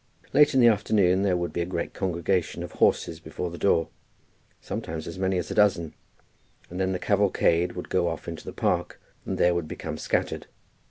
Late in the afternoon there would be a great congregation of horses before the door, sometimes as many as a dozen; and then the cavalcade would go off into the Park, and there it would become scattered.